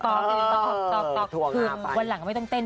คือวันหลังไม่ต้องเต้น